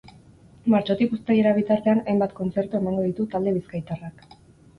Martxotik uztailera bitartean hainbat kontzertu emango ditu talde bizkaitarrak.